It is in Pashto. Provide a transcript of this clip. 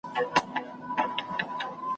د ژغورلو، د کلتوري هویت